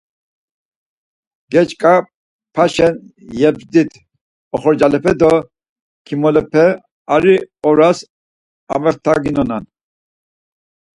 Geç̆k̆apaşen yebzdipt, oxorcalepe do kimolepe ari oras amaxtaginonan.